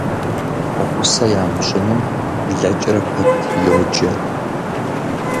Гъусэ ямыщӀынум блэкӀрэ пэт йоджэ.